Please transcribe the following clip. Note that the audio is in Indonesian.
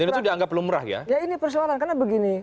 itu dianggap lumrah ya ya ini persoalan karena begini